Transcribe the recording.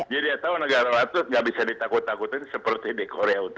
jadi dia tahu negara barat itu tidak bisa ditakut takutkan seperti di korea untuk itu